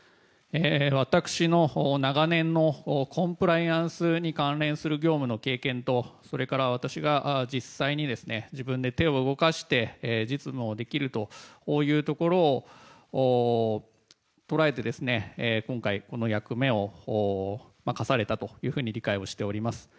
私の長年のコンプライアンスに関連する業務の経験とそれから私が実際に自分で手を動かして実務をできるというところを捉えて今回、この役目を課されたと理解をしております。